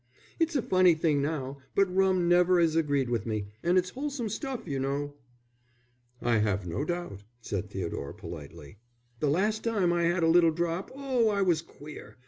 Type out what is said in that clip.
"It's a funny thing now, but rum never 'as agreed with me; an' it's wholesome stuff, you know." "I have no doubt," said Theodore, politely. "The last time I 'ad a little drop oh, I was queer.